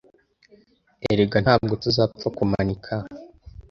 erega ntabwo tuzapfa kumanika